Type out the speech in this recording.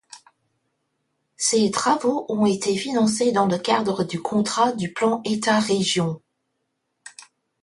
Ces travaux ont été financés dans le cadre du contrat de plan État-région.